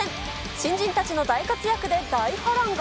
新人たちの大活躍で大波乱が？